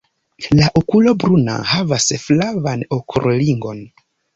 La okulo bruna havas flavan okulringon.